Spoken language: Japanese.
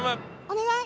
お願い！